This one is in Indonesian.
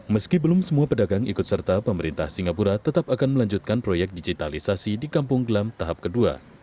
meski belum semua pedagang ikut serta pemerintah singapura tetap akan melanjutkan proyek digitalisasi di kampung glam tahap kedua